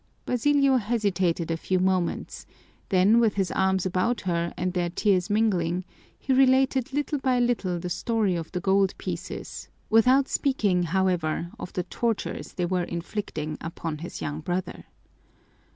Basilio hesitated a few moments, then with his arms about her and their tears mingling, he related little by little the story of the gold pieces, without speaking, however, of the tortures they were inflicting upon his young brother.